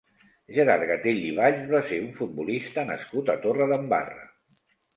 Gerard Gatell i Valls va ser un futbolista nascut a Torredembarra.